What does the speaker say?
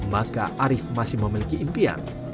maka arief masih memiliki impian